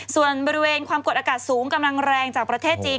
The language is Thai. ส่วนบริเวณความกดอากาศสูงกำลังแรงจากประเทศจีน